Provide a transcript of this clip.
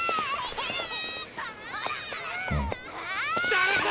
・誰か！